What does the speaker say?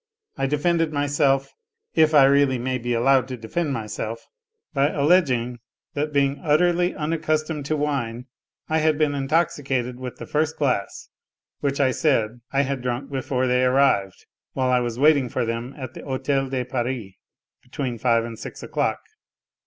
I defended myself, " if I really may be allowed to defend myself," by alleging that being utterly unaccustomed to wine, I had been intoxicated with the first glass, which I said, I had drunk before they arrived, while I was waiting for them at the Hotel de Paris 136 NOTES FROM UNDERGROUND between five and six o'clock.